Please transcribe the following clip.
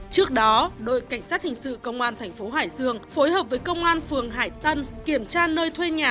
trước đó đội cảnh sát hình sự công an thành phố hải dương phối hợp với công an phường hải tân kiểm tra nơi thuê nhà